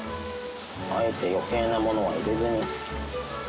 あえて余計なものは入れずに。